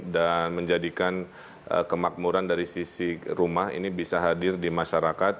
dan menjadikan kemakmuran dari sisi rumah ini bisa hadir di masyarakat